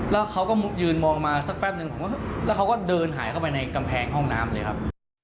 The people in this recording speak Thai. แล้วเขาก็ยืนมองมาสักแป๊บนึงแล้วเขาก็เดินหายเข้าไปในกำแพงห้องน้ำเลยครับ